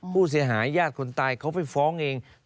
ผู้เสียหายหญ้าคนตายเขาไปฟ้องเอง